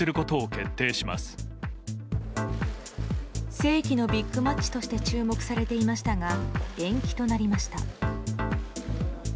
世紀のビッグマッチとして注目されていましたが延期となりました。